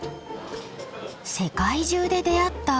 世界中で出会った。